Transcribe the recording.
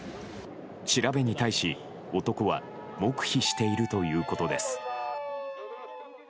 調べに対し、男は黙秘しているということです。